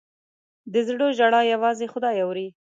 د زړه ژړا یوازې خدای اوري.